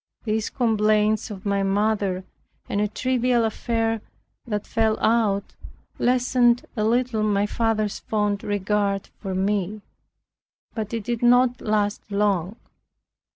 These complaints of my mother, and a trivial affair that fell out, lessened a little my father's fond regard for me; but it did not last long.